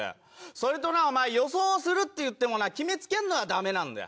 それとなお前予想するっていってもな決めつけんのはダメなんだよ。